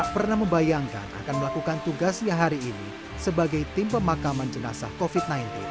pernah membayangkan akan melakukan tugasnya hari ini sebagai tim pemakaman jenazah covid sembilan belas